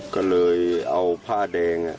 ก็เลยเอาผ้าแดง